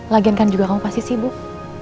lagian kan juga kamu pasti sibuk